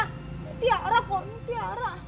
ini tiara kok ini tiara